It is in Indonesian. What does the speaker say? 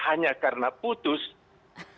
hanya karena putus komunikasi